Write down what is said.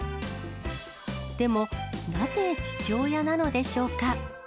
でも、なぜ父親なのでしょうか。